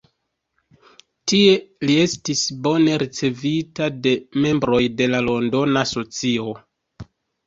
Tie li estis bone ricevita de membroj de la Londona socio.